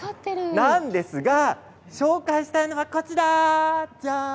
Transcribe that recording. なんですがご紹介したいのは、こちら。